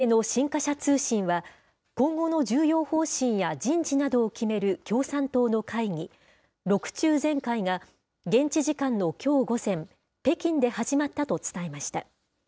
中国国営の新華社通信は、今後の重要方針や人事などを決める共産党の会議、６中全会が現地時間のきょう午前、北京で始まったと伝えました。